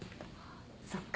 そっか。